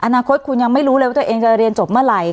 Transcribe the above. อนาคตคุณยังไม่รู้เลยว่าตัวเองจะเรียนจบเมื่อไหร่